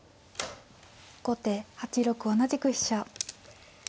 後手８六同じく飛車。